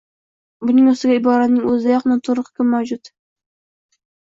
Buning ustiga iboraning o‘zidayoq noto‘g‘ri hukm mavjud.